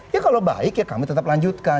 ya kalau baik ya kami tetap lanjutkan